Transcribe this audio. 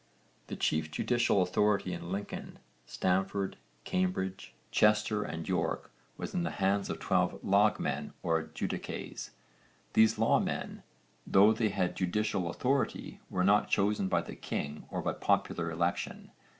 The chief judicial authority in Lincoln, Stamford, Cambridge, Chester and York was in the hands of twelve lagmen or judices. These 'lawmen' (v. supra, p. 103) though they had judicial authority were not chosen by the king or by popular election.